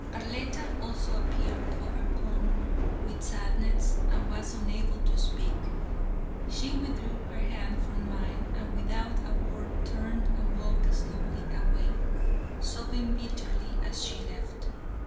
Arletta also appeared overcome with sadness, and was unable to speak. She withdrew her hand from mine and without a word turned and walked slowly away, sobbing bitterly as she left.